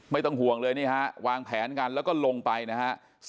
ไม่ต้องห่วงเลยนี่ฮะวางแผนกันแล้วก็ลงไปนะฮะ